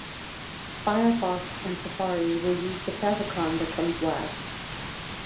Firefox and Safari will use the favicon that comes last.